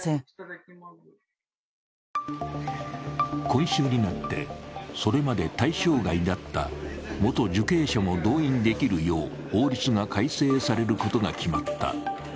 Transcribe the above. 今週になって、それまで対象外だった元受刑者も動員できるよう法律が改正されることが決まった。